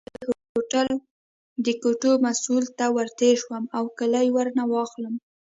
زه د هوټل د کوټو مسؤل ته ورتېر شم او کیلۍ ورنه واخلم.